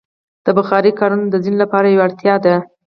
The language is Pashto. د بخارۍ کارونه د ځینو لپاره یوه اړتیا ده.